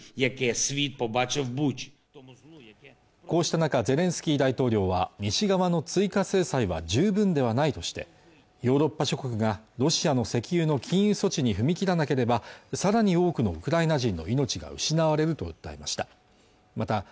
こうした中ゼレンスキー大統領は西側の追加制裁は十分ではないとしてヨーロッパ諸国がロシアの石油の禁輸措置に踏み切らなければさらに多くのウクライナ人の命が失われると訴えました